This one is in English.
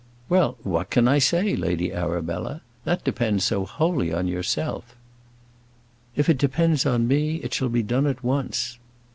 "Well, what can I say, Lady Arabella? That depends so wholly on yourself." "If it depends on me, it shall be done at once."